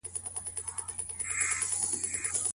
د صحيحي نکاح په نتيجه کي څه ثابتيږي؟